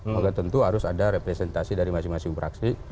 maka tentu harus ada representasi dari masing masing fraksi